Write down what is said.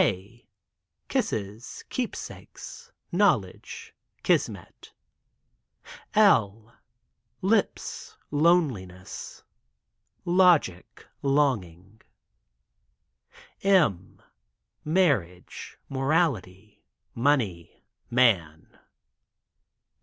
K — Kisses — Keepsakes — Knowledge — Kismet. L — Lips — Loneliness — Logic — Longing. M— Marriage— Morality— Money— Man.